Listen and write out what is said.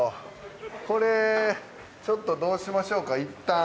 これちょっとどうしましょうかいったん。